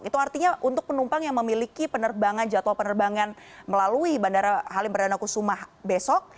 itu artinya untuk penumpang yang memiliki penerbangan jadwal penerbangan melalui bandara halim perdana kusuma besok